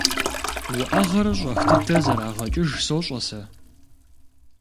УӀэгъэр щӀэх дыдэ зэрагъэкӀыж сощӀэ сэ.